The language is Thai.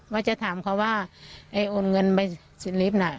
ว่าจะถามเขาว่าไอ้โอนเงินไป๑๐ลิฟต์น่ะ